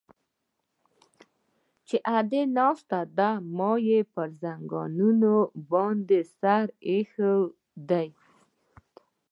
چې ادې ناسته ده ما يې پر زنګانه باندې سر ايښى دى.